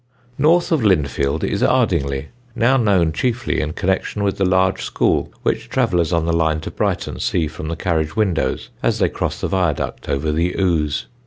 North of Lindfield is Ardingly, now known chiefly in connection with the large school which travellers on the line to Brighton see from the carriage windows as they cross the viaduct over the Ouse.